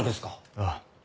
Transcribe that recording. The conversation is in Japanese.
ああ。